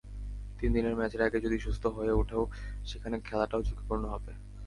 তিন দিনের ম্যাচের আগে যদি সুস্থ হয়ে ওঠেও সেখানে খেলাটাও ঝুঁকিপূর্ণ হবে।